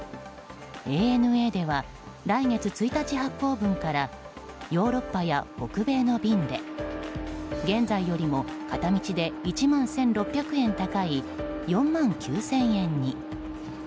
ＡＮＡでは来月１日発券分からヨーロッパや北米の便で現在よりも片道で１万１６００円高い４万９０００円に。